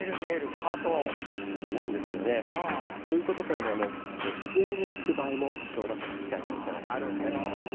ハート！ということからもＳＮＳ映えもしそうだと期待が寄せられているんです。